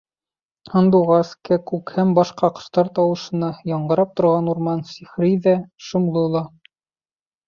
Һандуғас, кәкүк һәм башҡа ҡоштар тауышына яңғырап торған урман сихри ҙә, шомло ла.